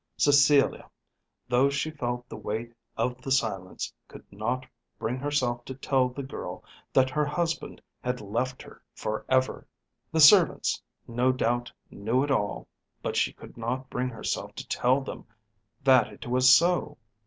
Cecilia, though she felt the weight of the silence, could not bring herself to tell the girl that her husband had left her for ever. The servants no doubt knew it all, but she could not bring herself to tell them that it was so.